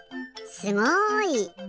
すごい！